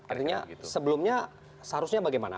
artinya sebelumnya seharusnya bagaimana